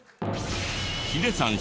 ヒデさん